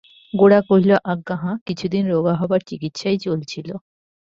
গোরা কহিল, আজ্ঞা হাঁ, কিছুদিন রোগা হবার চিকিৎসাই চলছিল।